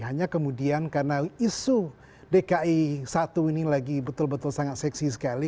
hanya kemudian karena isu dki satu ini lagi betul betul sangat seksi sekali